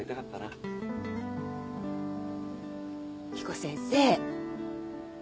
彦先生。